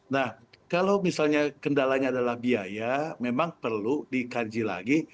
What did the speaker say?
nah kalau misalnya kendalanya adalah biaya memang perlu dikaji lagi